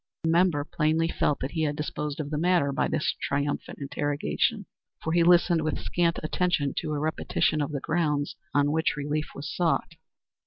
The member plainly felt that he had disposed of the matter by this triumphant interrogation, for he listened with scant attention to a repetition of the grounds on which, relief was sought.